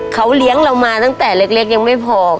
เขาเลี้ยงเรามาตั้งแต่เล็กยังไม่พอ